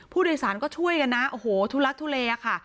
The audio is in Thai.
ผู้โดยสารก็ช่วยกันนะโอ้โหทุลักทุเลค่ะ